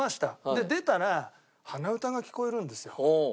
出たら鼻歌が聞こえるんですよ。